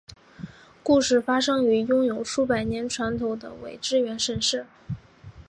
故事发生于拥有数百年传统的苇之原神社。